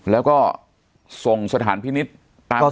แล้วก็ส่งสถานพินิษฐ์ตามท่านตอนก่อน